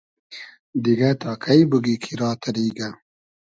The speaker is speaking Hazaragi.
دیگۂ تا کݷ بوگی کی را تئریگۂ